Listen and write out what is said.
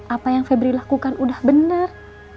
apa yang febri lakukan udah benar